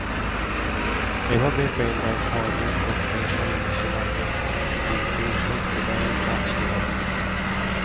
এভাবে pen drive format করতে সময় বেশি লাগবে, কিন্তু সত্যিকারের কাজটি হবে।